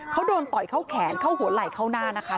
เขาโดนต่อยเข้าแขนเข้าหัวไหล่เข้าหน้านะคะ